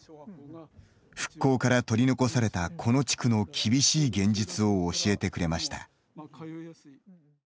復興から取り残されたこの地区の厳しい現実を教えてくれました。